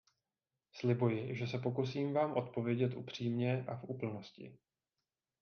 Slibuji, že se pokusím vám odpovědět upřímně a v úplnosti.